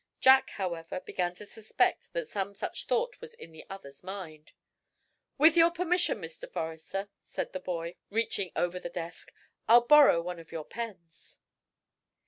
Jack, however; began to suspect that some such thought was in the other's mind. "With your permission, Mr. Forrester," said the boy, reaching over the desk, "I'll borrow one of your pens."